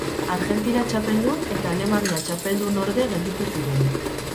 Argentina txapeldun eta Alemania txapeldunorde gelditu ziren.